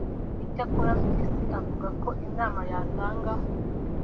Icyakora Mpyisi avuga ko inama yatanga